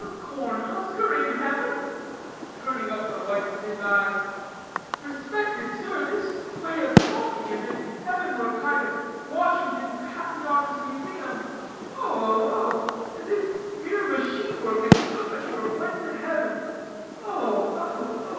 "A corn husker in heaven! (turning up the whites of his eyes). Respected sir, this way of talking as if heaven were a kind of Washington patent office museum oh, oh, oh! as if mere machine work and puppet work went to heaven oh, oh, oh!